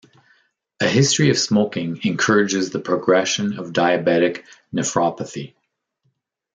A history of smoking encourages the progression of diabetic nephropathy.